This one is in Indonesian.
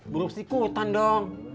buruk sih kutan dong